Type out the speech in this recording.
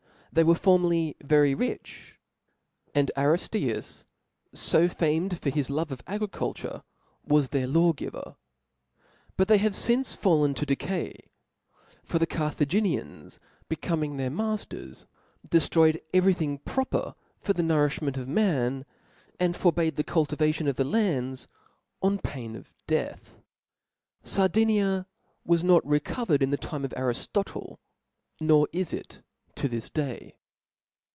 They were formerly very (0 oi he *'rich; and Arifteus, fo famed for his love of;;,^;^^;^' *• agriculture, was their law giver. But they are ^^^'>^ i fmce falkn to decay; for the Carthaginians k^J'^^^'' coming their mafters, deftroyed every thing pro per for the nourifhment of man, and forbad *' the cultivation of the lands on pain of death/* Sardinia was not recovered in the time of Ariftotle^ nor is it to this day.